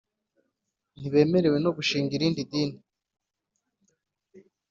Ntibemerewe no gushinga irindi dini